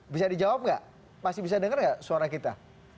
bisa dijawab nggak masih bisa dengar nggak suara kita